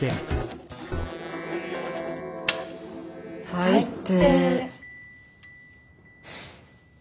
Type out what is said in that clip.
最低。